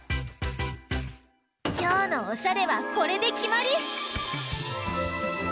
きょうのおしゃれはこれできまり！